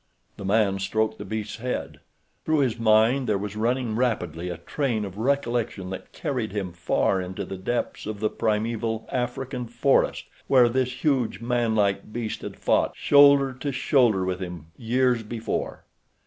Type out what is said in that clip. The man stroked the beast's head. Through his mind there was running rapidly a train of recollection that carried him far into the depths of the primeval African forest where this huge, man like beast had fought shoulder to shoulder with him years before.